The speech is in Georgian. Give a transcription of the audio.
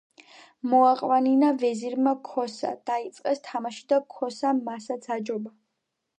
მოაყვანინა ვეზირმა ქოსა, დაიწყეს თამაში და ქოსამ მასაც აჯობა.